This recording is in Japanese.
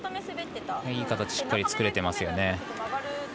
いい形しっかり作れてますよね。